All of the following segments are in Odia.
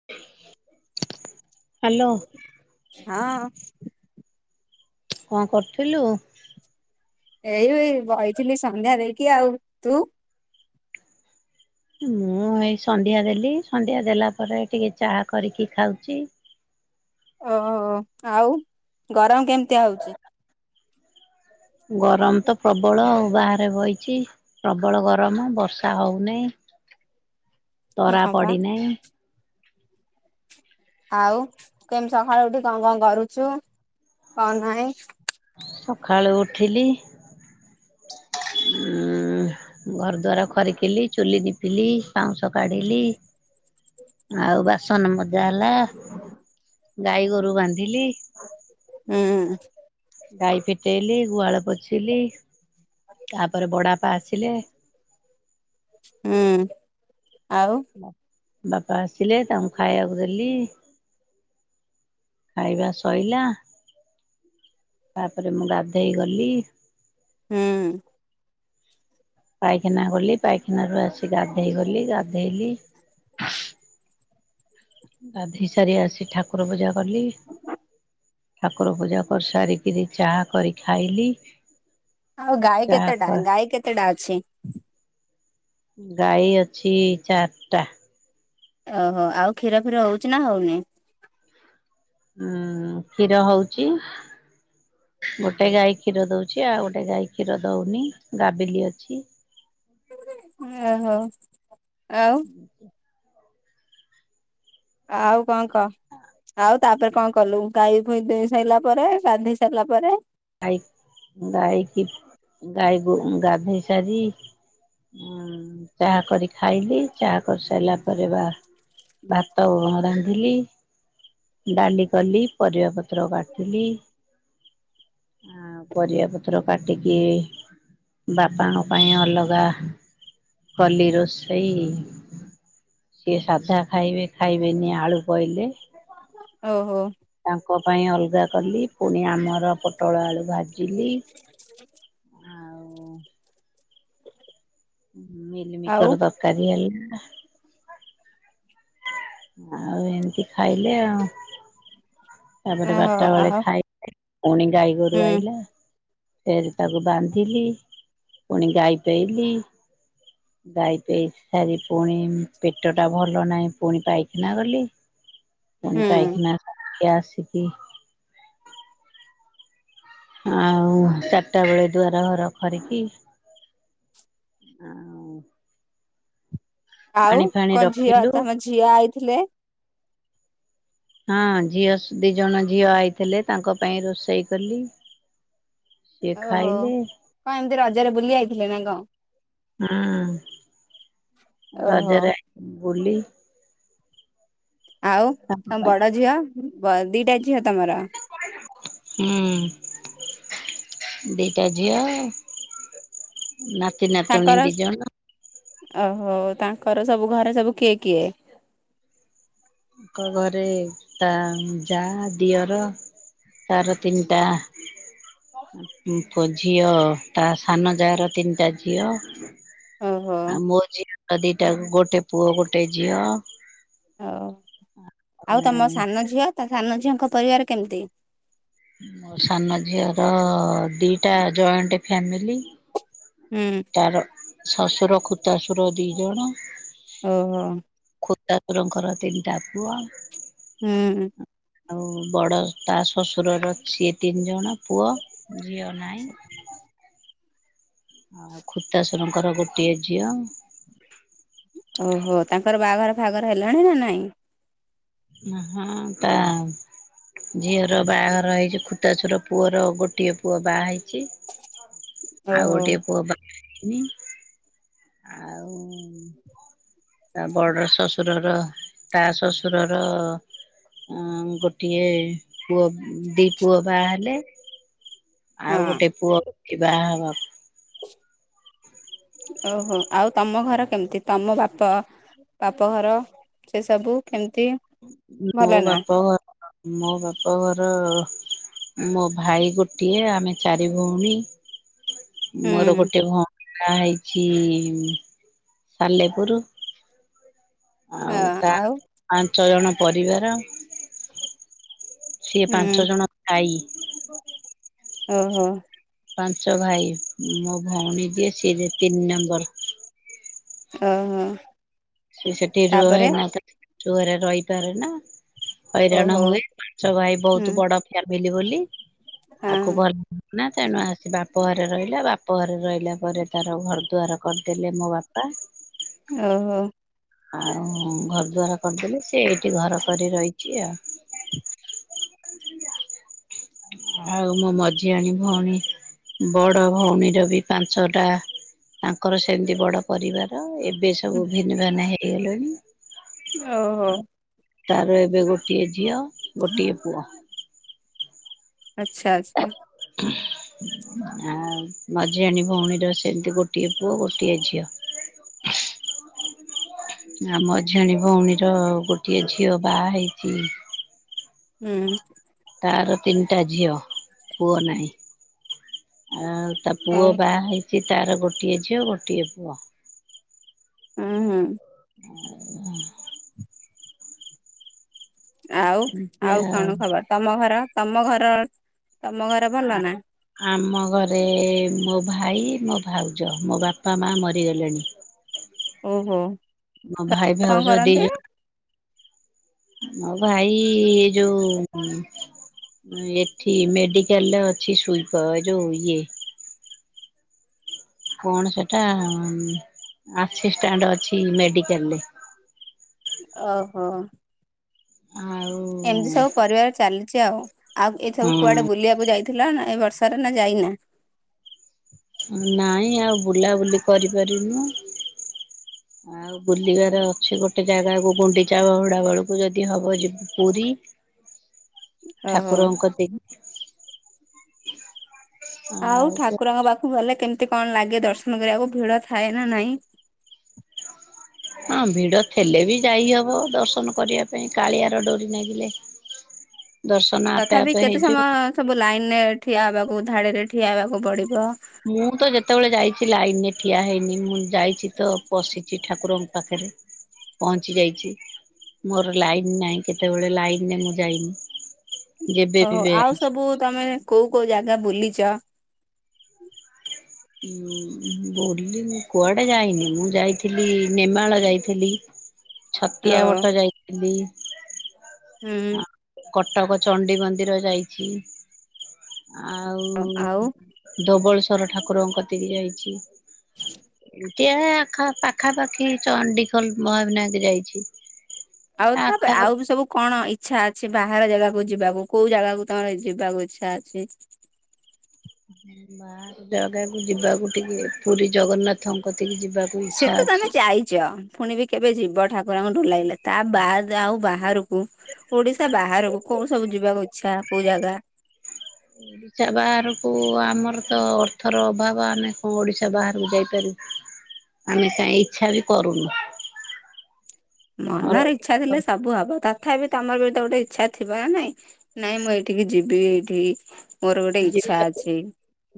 [unintelligible] ହାଲୋ, ହଁ। କଁ କରୁଥିଲୁ? ଏଇ ବଇଥିଲି ସନ୍ଧ୍ୟା ଦେଇକି ଆଉ, ତୁ? ମୁଁ ଏଇ ସନ୍ଧ୍ୟା ଦେଲି ସନ୍ଧ୍ୟା ଦେଲା ପରେ ଟିକେ ଚାଆ କରିକି ଖାଉଛି। ଓ ଆଉ ଗରମ କେମତିଆ ହଉଚି? ଗରମ ତ ପ୍ରବଳ ଆଉ ବାହାରେ ବଇଚି, ପ୍ରବଳ ଗରମ ବର୍ଷା ହଉନେଇଁ। ତରା ହଁ ପା। ପଡି ନେଇଁ। ଆଉ କେମିତି ସକାଳୁ ଉଠି କଁ କଁ କରୁଛୁ କଣ ନାଇଁ। ସକାଳୁ ଉଠିଲି। [inaudible] ଘର ଦ୍ଵାର ଖରିକିଲି, ଚୁଲି ନିପିଲି, ପାଉଁଶ କାଢିଲି। ଆଉ ବାସନ ମଜା ହେଲା, ଗାଈ ଗୋରୁ ବାନ୍ଧିଲି। ଉଁ। ଗାଈ ଫିଟେଇଲି ଗୁହାଳ ପୋଛିଲି, ତାପରେ ବଡାପା ଆସିଲେ। ହୁଁ, ଆଉ ବାପା ଆସିଲେ ତାଙ୍କୁ ଖାଇବାକୁ ଦେଲି। ଖାଇବା ସଇଲା। ତାପରେ ମୁଁ ଗାଧେଇ ଗଲି ‌। ହୁଁ। ପାଇଖିନା ଗଲି ପାଇଖିନା ରୁ ଆସି ଗାଧେଇ ଗଲି ଗାଧେଇଲି। ଗାଧେଇ ସାରି ଆସି ଠାକୁର ପୂଜା କଲି। ଠାକୁର ପୂଜା କରି ସାରିକିରି ଚାହା କରି ଖାଇଲି। ଆଉ ଗାଈ ଚାହା କ କେତେଟା ଗାଈ କେତେଟା ଅଛି। ଗାଈ ଅଛି ଚାରିଟା। ଓହୋ ଆଉ କ୍ଷୀର ଫିର ହଉଛିି ନା ହଉନି। ଉଁ କ୍ଷୀର ହଉଚି। ଗୋଟେ ଗାଈ କ୍ଷୀର ଦଉଛି ଆଉ ଗୋଟେ ଗାଈ କ୍ଷୀର ଦଉନି ଗାବିଲି ଅଛି। ଉଁ ଓ ହୋ ଆଉ। ଆଉ କଁ କ। ଆଉ ତାପରେ କଁ କଲୁ ଗାଈ ଫାଇ ଦୁଁଇ ସରିଲା ପରେ ଗାଢେଇ ସାରିଲା ପରେ। ଗାଈ ଗାଈ କି ଗାଈ ଗୋ‌ ଗାଧେଇ ସାରି। ଉଁ ଚାହା କରି ଖାଇଲି ଚାହା କରିସାରିଲା ପରେ ବା। ଭାତ ରାନ୍ଧିଲି। ଡାଲି କଲି ପରିବା ପତ୍ର କାଟିଲି ‌। ଆଁ ପରିବା ପତ୍ର କାଟିକି। ବାପାଙ୍କ ପାଇଁ ଅଲଗା କଲି ରୋଷେଇ। ସିଏ ସାଧା ଖାଇବେ ଖାଇବେନି ଆଳୁ ପଇଲେ। ଓହୋ। ତାଙ୍କ ପାଇଁ ଅଲଗା କଲି ପୁଣି ଆମର ପୋଟଳ ଆଳୁ ଭାଜିଲି। ଆଉ ଆଉ ମଲିମିକର ତରକାରୀ ହେଲା। ଆଉ ଏମିତି ଖାଇଲେ ଆଉ ତାପରେ ଓହୋ ବାରଟା ବେଳେ ଆଉ ଖାଇ ପୁଣି ଗାଈ ହୁଁ ଗୋରୁ ଆଇଲା। ଫେର ତାକୁ ବାନ୍ଧିଲି ପୁଣି ଗାଈ ପେଇଲି। ଗାଈ ପେଇ ସାରି ପୁଣି ପେଟ ଟା ଭଲ ନାହିଁ ପୁଣି ପାଇ ଖିନ ଗଲି ପୁଣି ହୁଁ ପାଇଖିନା ରୁ ଆସିକି। ଆଉ ଚାରିଟା ବେଳେ ଦୁଆର ଘର ଖରିକି। ଆଉ ଆଉ ପାଣି ଫାଣି କଁ ଝିଅ ରଖିଲୁ ତମ ଝିଅ ଆଇଥିଲେ। ହଁ ଝିଅ ଦି ଜଣ ଝିଅ ଆଇଥିଲେ ତାଙ୍କ ପାଇଁ ରୋଷେଇ କଲି। ସିଏ ଓହୋ ଖାଇଲେ କଁ ଏମିତି ରଜରେ ବୁଲି ଆଇଥିଲେ ନା କଁ। ହଁ ଓହୋ ରଜରେ ଆଇଥିଲେ ବୁଲି। ଆଉ ତାଙ୍କ ତମ ପାଇଁ ବଡ ଝିଅ ବ ଦିଟା ଝିଅ ତମର। ହୁଁ। ଦି ଟା ଝିଅ ନାତି ନାତୁଣୀ ଦି ଜଣ। ଓ ହୋ ତାଙ୍କର ସବୁ ଘରେ ସବୁ କିଏ କିଏ। ତାଙ୍କ ଘରେ ତା ଯା ଦିଅର। ତାର ତିନିଟା। ପୁ ଝିଅ ତା ସାନ ଯା ର ତିନିଟା ଝିଅ। ଓହୋ ଆଉ ମୋ ଝିଅ ର ତ ଦିଟା ଗୋଟେ ପୁଅ ଗୋଟେ ଝିଅ। ଓ ଆଉ ଆଉ ତମ ସାନ ଝିଅ ତା ସାନ ଝିଅଙ୍କ ପରିବାର କେମିତି। ମୋ ସାନ ଝିଅର-ଅ ଦିଟା ଜଏଣ୍ଟ ଫ୍ୟାମିଲି। ହୁଁ। ତାର ଶଶୁର, ଖୁତାଶୁର ଦି ଜଣ। ଓହୋ। ଖୁତାସୁରଙ୍କର ତିନିଟା ପୁଅ। ହୁଁ। ଆଉ ବଡ ତା ଶ୍ୱଶୁର ର ସିଏ ତିନି ଜଣ ପୁଅ, ଝିଅ ନାହିଁ। ଆଉ ଖୁର୍ତାସୁରଙ୍କର ଗୋଟିଏ ଝିଅ। ଓହୋ! ତାଙ୍କର ବାହାଘର ଫାଘର ହେଲାଣି ନା ନାଇଁ? ନାହଁ ତା ଝିଅର ବାହାଘର ହେଇଛି, ଖୁତାଶୁର ପୁଅର ଗୋଟିଏ ପୁଅ ବାହା ହେଇଚି। ଆଉ ଓହୋ ଗୋଟିଏ ପୁଅ [inaudible] ହେଇନି। ଆଉ ତା ବଡ ଶ୍ୱଶୁରର, ତା ଶ୍ୱଶୁରର ଅଁ ଗୋଟିଏ ପୁଅ, ଦି ପୁଅ ବାହା ହେଲେ। ଆଉ, ହଁ ଗୋଟେ ପୁଅ କି ବାହା ହବାକୁ ଓହୋ! ଆଉ ତମ ଘର କେମିତି ତମ ବାପ ବାପଘର ସେ ସବୁ କେମିତି? ମୋ ଭଲ ନା? ବାପଘର ମୋ ବାପଘର-ଅ ମୋ ଭାଇ ଗୋଟିଏ, ଆମେ ଚାରି ଭଉଣୀ। ମୋର ହୁଁ ଗୋଟେ ଭଉଣୀ ବାହ ହେଇଛି-ଇ ସାଲେପୁର। ହଁ ଆଉ ତା ଆଉ ପାଞ୍ଚ ଜଣ ପରିବାର। ସିଏ ଉଁ, ପାଞ୍ଚ ଜଣ ଭାଇ ଓହୋ। ପାଞ୍ଚ ଭାଇ, ମୋ ଭଉଣୀଯିଏ ସିଏଯେ ତିନି ନମ୍ବର। ଓହୋ। ସେ ସେଠି ତାପରେ ରୁହେନା ତ, [inaudible] ହରେ ରହିପାରେ ନା। ହଇରାଣ ଓହୋ ହୁଏ। ପାଞ୍ଚ ଭାଇ ହୁଁ ବହୁତ ବଡ ଫ୍ୟାମିଲି ବୋଲି। ହଁ ଆକୁ ଭଲ ନା ତେଣୁ ଆସିବାପ୍ ବାପ ଘରେ ରହିଲା, ବାପ ଘରେ ରହିଲା ପରେ, ତାର ଘର ଦୁଆାର କରିଦେଲେ ମୋ ବାପା। ଓହୋ। ଆଉ, ଘରଦୁଆର କରିଦେଲେ, ସେ ଏଠି ଘର କରି ରହିଛି ଆଉ। [inaudible] ଆଉ, ମୋ ମଝି ଆଣି ଭଉଣୀ ବଡ ଭଉଣୀର ବି ପାଞ୍ଚଟା, ତାଙ୍କର ସେମିତି ବଡ ପରିବାର। ଏବେ ବେ ସବୁ ଭିନ୍ ଭାନ୍ ହେଇଗଲେଣି। ଓହୋ। ତାର ଏବେ ଗୋଟିଏ ଝିଅ, ଗୋଟିଏ ପୁଅ। ଆଚ୍ଛା, ଆଚ୍ଛା। [inaudible] ଆଉ ମଝିଆଣୀ ଭଉଣୀର ସେମିତି ଗୋଟିଏ ପୁଅ, ଗୋଟିଏ ଝିଅ। [inaudible] ଆମ ମାଝିଆଇଁ ଭଉଣୀର ଗୋଟିଏ ଝିଅ ବାହା ହେଇଛି। ହୁଁ। ତାର ତିନିଟା ଝିଅ ପୁଅ। ନାହିଁ ଆଉ ତା। ପୁଅ ହଉ ବାହା ହେଇଛି, ତାର ଗୋଟିଏ ଝିଅ ଗୋଟିଏ ପୁଅ। ଉଁ ହୁଁ। [inaudible] ଆଉ ଆଉ କଣ ଖବର ତମ ଘର ତମ ଘର ତମ ଘର ଭଲ ନା? ଆମ ଘରେ ମୋ ଭାଇ ମୋ ଭାଉଜ ମୋ ବାପା ମା ମରିଗଲେଣି। ଓହୋ। ମୋ ଭାଇ କଣ ଭାଉଜ ଦି କରନ୍ତି ଜ ମୋ ଭାଇ ଯୋଉ ଏଠି ମେଡିକାଲ ଅଛି ସୁଇପ ଯୋଉ ଇଏ କଣ ସେଟା ଆସିଷ୍ଟାଣ୍ଟ ଅଛି ମେଡିକାଲରେ। ଓହୋ। ଆଉ ଏମତି ସବୁ ପରିବାର ଚାଲିଚି ଆଉ। ଆଉ ଏ ହଁ ସବୁ କୁଆଡେ ବୁଲିବାକୁ ଯାଇ ଥିଲା ନା ଏ ବର୍ଷା ରେ ନା ଯାଇନା? ନାଇଁ ଆଉ ବୁଲାବୁଲି କରିପାରିନୁ। ଆଉ ବୁଲିବାର ଅଛି ଗୋଟେ ଜାଗାକୁ ଗୁଣ୍ଡିଚା ବାହୁଡା ବେଳକୁ ଯଦି ହବ ଯିବୁ। ପୁରୀ। [inaudible] ଠାକୁରଙ୍କ କତିକି। ଆଉ ଠାକୁରଙ୍କ ପାଖକୁ ଗଲେ କେମିତି କଣ ଲାଗେ ଦର୍ଶନ କରିବାକୁ ଭିଡ ଥାଏ ନା ନାଇଁ? ହଁ ଭିଡ ଥିଲେ ବି ଯାଇ ହବ ଦର୍ଶନ କରିବା ପାଇଁ କାଳିଆର ଡୋରି ନାଗିଲେ। [inaudible] ଦର୍ଶନ ଆପେ ତଥାପି ଆପେ କେତେ ହେଇଯିବ। ସମୟ ସବୁ ଲାଇନରେ ଠିଆ ହେବାକୁ ଧାଡିରେ ଠିଆ ହେବାକୁ ପଡିବ? ମୁଁ ତ ଯେତେବେଳେ ଯାଇଚି ଲାଇନ ରେ ଠିଆ ହେଇନି ମୁଁ ଯାଇଚି ତ ପଶିଚି ଠାକୁରଙ୍କୁ ପାଖରେ ପହଞ୍ଚି ଯାଇଚି। ମୋର ଲାଇନ୍ ନାହିଁ କେତେବେଳେ ଲାଇନ୍ ରେ ମୁଁ ଯାଇନି। ଯେବେ ବି ଓହୋ। ଆଉ ଯାଇଛି। ସବୁ ତମେ କୋଉ କୋଉ ଜାଗା ବୁଲିଚ? ବୁ ବୁଲିନି କୁଆଡେ ଯାଇନି। ମୁଁ ଯାଇଥିଲି ନେମାଳ ଯାଇଥିଲି। ଓ ଛତିଆ ବଟ ଯାଇଥିଲି। ହୁଁ। କଟକ ଚଣ୍ଡୀ ମନ୍ଦିର ଯାଇଚି। ଆଉ ଧବେଳଶ୍ଵର ଠାକୁର ଙ୍କ କତିକି ଯାଇଚି। କେ ଆଖ ପାଖାପାଖି ଚଣ୍ଡିଖୋଲ ମହାବିନାୟକ ଯାଇଚି। ଆଉ ତାପରେ ଆଉ ବି ସବୁ କଣ ଇ ଚ୍ଛା ଅଛି ବାହାର ଜାଗାକୁ ଯିବାକୁ କୋଉ ଜାଗାକୁ ତମର ଯିବାକୁ ଇଚ୍ଛା ଅଛି? ବାହାର ଜାଗାକୁ ଯିବାକୁ ଟିକେ ପୁରୀ ଜଗନ୍ନାଥଙ୍କ କତିକି ଯିବାକୁ ସେ ଇଚ୍ଛା ତ ତମେ ଅଛି। ଯାଇଚ। ପୁଣି ବି କେବେ ଯିବ ଠାକୁରଙ୍କ ଡୋରୀ ଲାଗିଲେ। ତା ବାଦ୍ ଆଉ ବାହାରକୁ ଓଡିଶା ବାହାରକୁ କୋଉ ସବୁ ଯିବାକୁ ଇଚ୍ଛା କୋଉ ଜାଗା? ଓ [inaudible] ଓଡ଼ିଶା ବାହାରକୁ ଆମର ତ ଅର୍ଥର ଅଭାବ, ଆମେ କୋଉ ଓଡ଼ିଶା ବାହାରକୁ ଯାଇପାରିବୁ। ଆମେ ଚାହିଁ ଇଚ୍ଛା ବି କରୁନୁ। ଆମର ମନରେ ଇଚ୍ଛା ଥିଲେ ସବୁ ହବ। ତଥାପି ତମର ବି ତ ଗୋଟେ ଇଚ୍ଛା ଥିବ ନା ନାଇଁ। ନାଇଁ ମୁଁ ଏଇଠିକି ଯିବି, ଏଇଠି ମୋର ଗୋଟେ ଇଚ୍ଛା ଅଛି।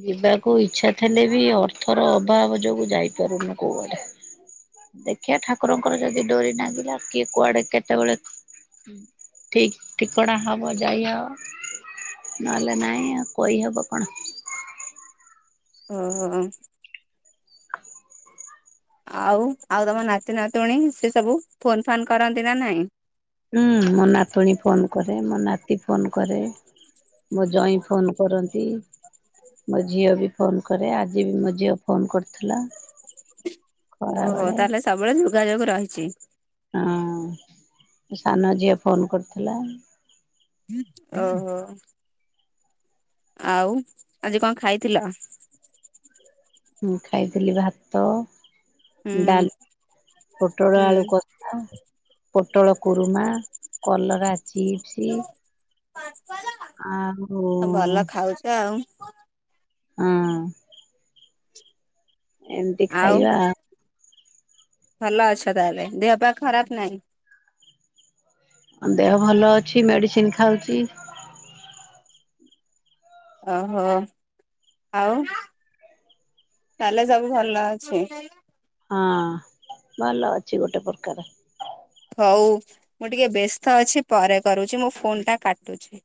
ଯିବାକୁ ଇଚ୍ଛା ଥିଲେ ବି ଅର୍ଥର ଅଭାବ ଯୋଗୁ ଯାଇପାରୁନୁ କୋଉଆଡେ। ଦେଖିଆ ଠାକୁରଙ୍କର ଯଦି ଡୋରି ନାଗିଲା କିଏ କୁଆଡେ କେତେବେଳେ ଠିକ୍ ଠିକଣା ହବ ଯାଇହବ ନହେଲେ ନାଇଁ ଆଉ। କହି ହବ କଣ। ଅଁ। ଆଉ ଆଉ ତମ ନାତି ନାତୁଣୀ ସେ ସବୁ ଫୋନ ଫାନ୍ କରନ୍ତି ନା ନାହିଁ? ହୁଁ ମୋ ନାତୁଣୀ ଫୋନ କରେ ମୋ ନାତି ଫୋନ କରେ। [inaudible] ମୋ ଜୋଇଁ ଫୋନ କରନ୍ତି। ମୋ ଝିଅ ବି ଫୋନ କରେ ଆଜି ବି ମୋ ଝିଅ ଫୋନ କରିଥିଲା। ଓହୋ ଖରାବେଳେ ତାହେଲେ ସବୁବେଳେ ଯୋଗାଯୋଗ ରହିଛି। ହଁ। ସାନ ଝିଅ ଫୋନ କରିଥିଲା। ଓହୋ, ଆଉ ଆଜି କଣ ଖାଇଥିଲ? ମୁଁ ଖାଇଥିଲି ଭାତ ହୁଁ ଡାଲ ପୋଟଳ ଆଳୁ କ ହୁଁ ଆ ପୋଟଳ କୁରୁମା କଲରା ଚିପ୍ସ ଆଉ ଭଲ [unintelligible] ହଁ। ଏମିତି ଆଉ ଖାଇବା ଭଲ ଅଛ ତାହେଲେ ଦେହ ପା ଖରାପ୍ ନାହିଁ? ମୋ ଦେହ ଭଲ ଅଛି ମେଡିସିନ ଖାଉଛି। ଓହୋ ଆଉ? ତାହେଲେ ସବୁ ଭଲ ଅଛି। ହଁ, ଭଲ ଅଛି ଗୋଟେ ପ୍ରକାର। ହଉ ମୁଁ ଟିକେ ବ୍ୟସ୍ତ ଅଛି ପରେ କରୁଛି ମୁଁ ଫୋନ ଟା କାଟୁଛି।